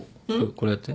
これやって。